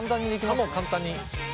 もう簡単に。